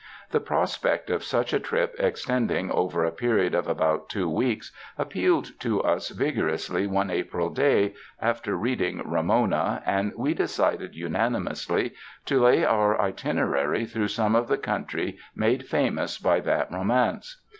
The prospect of such a trip extending over a period of about two weeks, appealed to us vigor ously one April day, after reading "Ramona," and we decided unanimously to lay our itinerary through some of the country made famous by that romance.